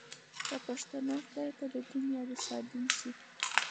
داپښتون خدای که ددين يا دسادين شي